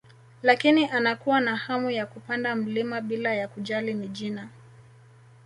Lakini anakuwa na hamu ya kupanda mlima bila ya kujali ni jina